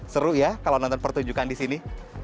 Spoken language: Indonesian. seru ya kalau nonton pertunjukan di sini